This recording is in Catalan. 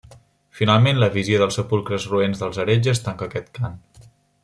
Finalment la visió dels sepulcres roents dels heretges, tanca aquest cant.